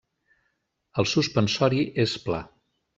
El suspensori és pla.